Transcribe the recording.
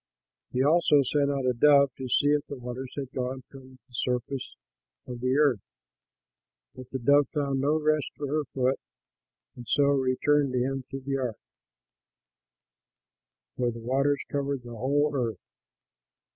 He also sent out a dove to see if the waters had gone from the surface of the earth. But the dove found no rest for her foot, and so returned to him to the ark, for the waters covered the whole earth.